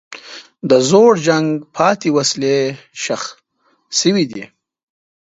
د زوړ جنګ پاتې وسلې ښخ شوي دي.